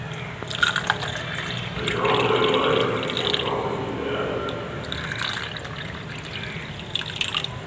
The "Toronto Globe" came promptly to their aid.